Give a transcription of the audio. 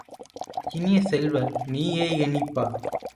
இனிய செல்வ, நீயே எண்ணிப்பார்!